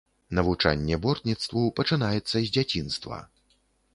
Навучанне бортніцтву пачынаецца з дзяцінства.